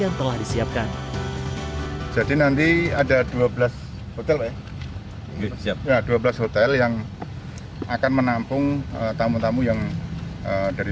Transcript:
yang telah disiapkan jadi nanti ada dua belas hotel ya siap dua belas hotel yang akan menampung tamu tamu yang dari